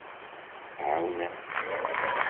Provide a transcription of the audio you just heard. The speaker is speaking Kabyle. Tɛawen-aneɣ.